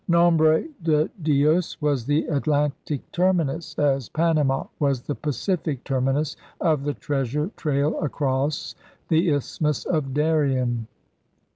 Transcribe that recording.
Nombre de Dios was the Atlantic terminus, as Panama was the Pacific terminus, of the treasure trail across the Isthmus of Darien.